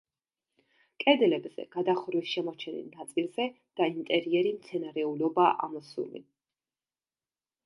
კედლებზე, გადახურვის შემორჩენილ ნაწილზე და ინტერიერი მცენარეულობაა ამოსული.